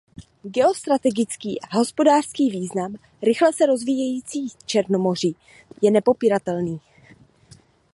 Geostrategický a hospodářský význam rychle se rozvíjejícího Černomoří je nepopiratelný.